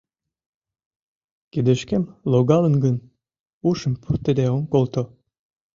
Кидышкем логалын гын, ушым пуртыде ом колто!